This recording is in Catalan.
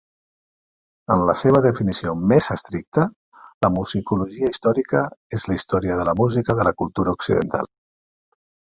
En la seva definició més estricta, la musicologia històrica és la història de la música de la cultura occidental.